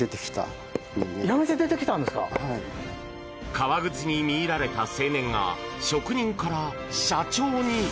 革靴に見入られた青年が職人から社長に。